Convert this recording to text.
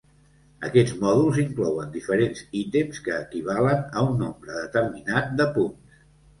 Aquests mòduls inclouen diferents ítems que equivalen a un nombre determinat de punts.